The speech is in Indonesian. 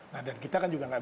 jadi kita harus menangkap